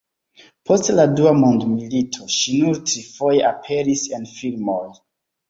Post la dua mondmilito ŝi nur trifoje aperis en filmoj.